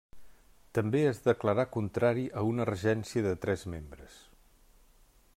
També es declarà contrari a una regència de tres membres.